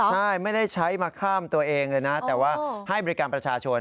ใช่ไม่ได้ใช้มาข้ามตัวเองเลยนะแต่ว่าให้บริการประชาชน